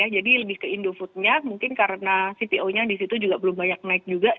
jadi lebih ke indofoodnya mungkin karena cpo nya di situ juga belum banyak naik juga